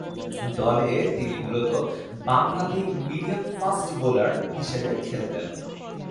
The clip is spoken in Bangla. দলে তিনি মূলতঃ বামহাতি মিডিয়াম-ফাস্ট বোলার হিসেবে খেলতেন।